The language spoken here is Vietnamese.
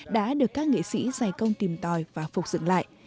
đã được các nghệ sĩ giải công tìm tòi và phục dựng lại